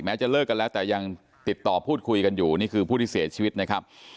จะเลิกกันแล้วแต่ยังติดต่อพูดคุยกันอยู่นี่คือผู้ที่เสียชีวิตนะครับ